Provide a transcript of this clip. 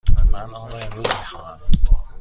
من آن را امروز می خواهم.